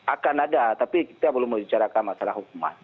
akan ada tapi kita belum membicarakan masalah hukuman